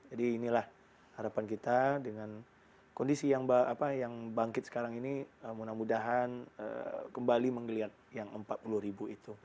jadi inilah harapan kita dengan kondisi yang bangkit sekarang ini mudah mudahan kembali mengeliat yang empat puluh itu